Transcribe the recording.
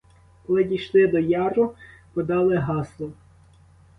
Коли дійшли до яру, подали гасло.